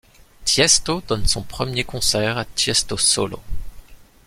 Tiësto donne son premier concert, Tiësto Solo.